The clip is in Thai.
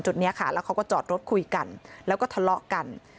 นี้ค่ะแล้วเขาก็จอดรถคุยกันแล้วก็ทะเลาะกัน